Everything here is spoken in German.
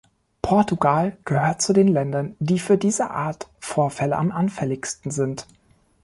Portugal gehört zu den Ländern, die für diese Art Vorfälle am anfälligsten sind.